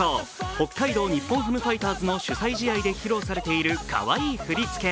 北海道日本ハムファイターズの主催試合で披露されているかわいい振り付け。